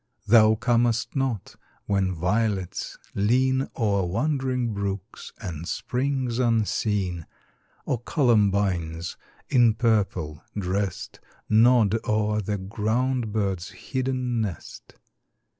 Thou comest not when violets lean O'er wandering brooks and springs unseen, Or columbines, in purple dressed, Nod o'er the ground bird's hidden nest.